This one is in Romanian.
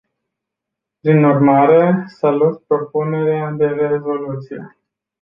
Prin urmare, salut propunerea de rezoluție.